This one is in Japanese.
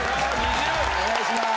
お願いします！